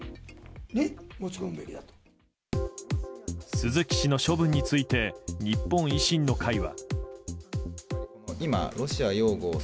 鈴木氏の処分について日本維新の会は。